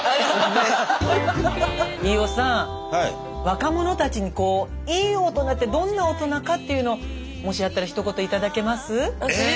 若者たちにこういい大人ってどんな大人かっていうのをもしあったらひと言頂けます？